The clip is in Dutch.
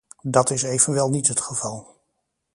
Dat is evenwel niet het geval.